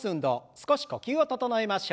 少し呼吸を整えましょう。